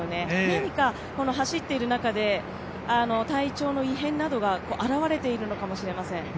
何か走っている中で体調の異変などがあらわれているのかもしれません。